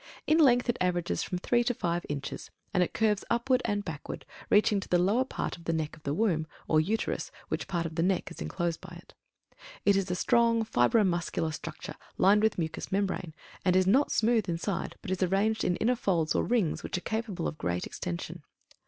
In length, it averages from three to five inches; and it curves upward and backward, reaching to the lower part of the neck of the womb, or Uterus, which part of the neck is enclosed by it. It is a strong fibro muscular structure, lined with mucous membrane; and is not smooth inside, but is arranged in inner folds or rings which are capable of great extension.